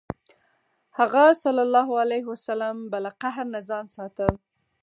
هغه ﷺ به له قهر نه ځان ساته.